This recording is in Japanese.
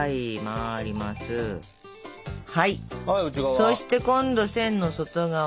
そして今度線の外側。